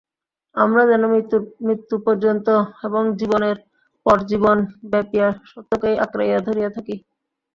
আমরা যেন মৃত্যু পর্যন্ত এবং জীবনের পর জীবন ব্যাপিয়া সত্যকেই আঁকড়াইয়া ধরিয়া থাকি।